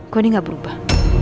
kok ini gak berubah